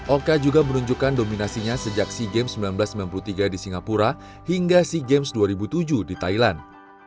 oka juga menunjukkan dominasinya sejak sea games seribu sembilan ratus sembilan puluh tiga di singapura hingga sea games dua ribu tujuh di thailand